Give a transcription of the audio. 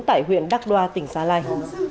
tại huyện đắk đoa tỉnh sa lai